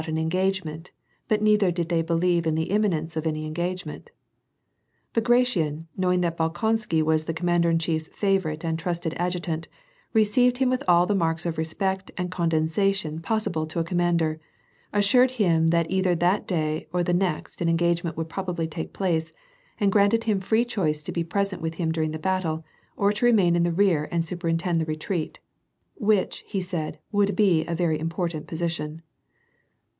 an engagement, but neither did they believe in the imminence of any engagement. Bagration, knowing that Bolkonsky was the commander in chief's favorite and trusted adjutant, re ceived him with all the marks of respect and condescension possible to a commander, assured him that either that day or the next an engagement would probably take place, and granted him free choice to be present with him during the battle, ot to remain in the rear and superintend the retreat, " which," he said, " would be a very important position."